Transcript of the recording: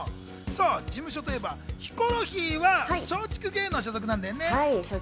事務所といえばヒコロヒーは松竹芸能所属なんだよね。